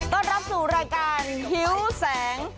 ต้อนรับสู่รายการหิวแสง